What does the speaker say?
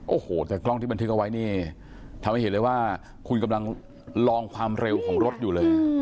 โอ้โหแต่กล้องที่บันทึกเอาไว้นี่ทำให้เห็นเลยว่าคุณกำลังลองความเร็วของรถอยู่เลย